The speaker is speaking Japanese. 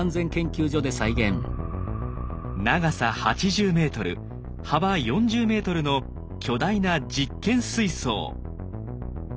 長さ８０ｍ幅４０ｍの巨大な実験水槽。